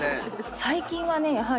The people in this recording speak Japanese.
最近はねやはり。